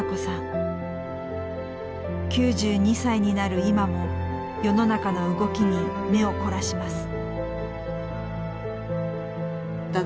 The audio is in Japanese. ９２歳になる今も世の中の動きに目を凝らします。